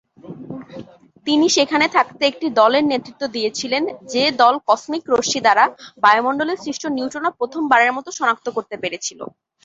তিনি সেখানে থাকতে একটি দলের নেতৃত্ব দিয়েছিলেন, যে দল কসমিক রশ্মি দ্বারা বায়ুমণ্ডলে সৃষ্ট নিউট্রিনো প্রথমবারের মত শনাক্ত করতে পেরেছিল।